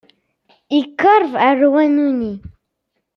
Iqerreb ɣer wanu-nni.